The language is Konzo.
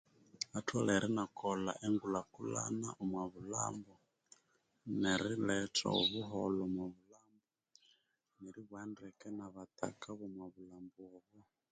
Atholere inyakolha engulhakulhana omwa bulhambo neriletha obuholho omwa bulhambo neribugha ndeke nabattaka bomubulhambo obwo